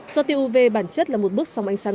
do tiêu uv bản chất là một bước song ánh sáng